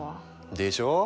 でしょ！